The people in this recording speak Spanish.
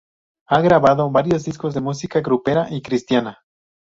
Ha grabado varios discos de música grupera y cristiana.